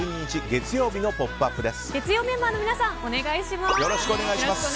月曜メンバーの皆さんお願いします。